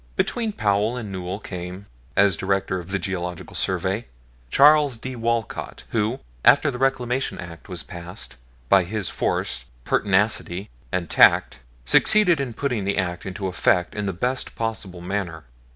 Between Powell and Newell came, as Director of the Geological Survey, Charles D. Walcott, who, after the Reclamation Act was passed, by his force, pertinacity, and tact, succeeded in putting the act into effect in the best possible manner.